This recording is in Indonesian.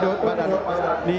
ini amat terima kasih